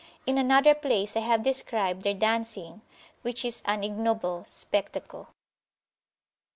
In another place I have described their dancing, which is an ignoble spectacle.